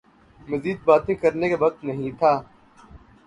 مزید باتیں کرنے کا وقت نہیں تھا